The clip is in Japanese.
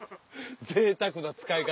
ぜいたくな使い方。